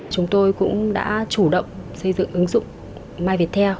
chúng tôi cũng đã chủ động xây dựng ứng dụng myviettel